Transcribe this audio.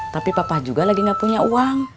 tapi papa juga lagi gak punya uang